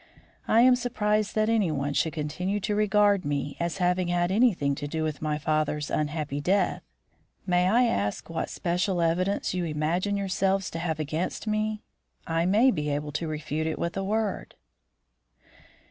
I am surprised that anyone should continue to regard me as having had anything to do with my father's unhappy death. May I ask what special evidence you imagine yourselves to have against me? I may be able to refute it with a word."